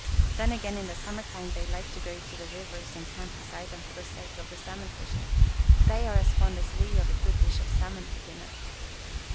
Then, again, in the summer time they like to go to the rivers and camp beside them for the sake of the salmon fishing. They are as fond as we of a good dish of salmon for dinner."